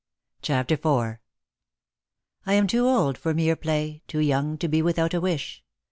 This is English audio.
CHAPTER IV " I am too old for mere play, too young to be without a wish.